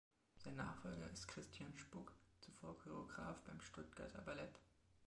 Sein Nachfolger ist Christian Spuck, zuvor Choreograph beim Stuttgarter Ballett.